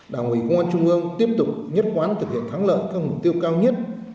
đảng ủy công an trung ương tiếp tục nhất quán thực hiện thắng lợi các mục tiêu cao nhất